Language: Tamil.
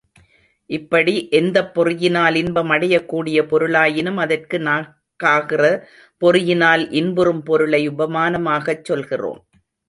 இப்படி, எந்தப் பொறியினால் இன்பம் அடையக் கூடிய பொருளாயினும் அதற்கு நாக்காகிற பொறியினால் இன்புறும் பொருளை உபமானமாகச் சொல்கிறோம்.